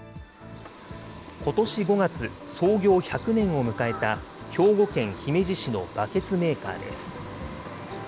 ことし５月、創業１００年を迎えた兵庫県姫路市のバケツメーカーです。